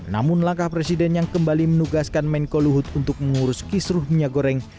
namun langkah presiden yang kembali menugaskan menko luhut untuk mengurus kisruh minyak goreng